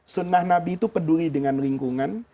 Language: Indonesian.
sunnah nabi itu peduli dengan lingkungan